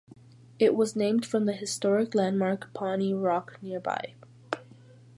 It was named from the historic landmark Pawnee Rock nearby.